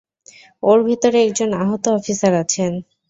ওর ভেতরে একজন আহত অফিসার আছেন।